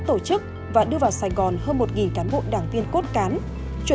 một cấp quý một cấp quý một cấp quý